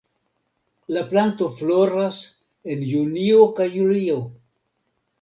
La planto floras en junio kaj julio.